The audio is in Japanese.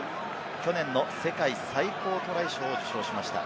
去年の世界最高トライ賞を受賞しました。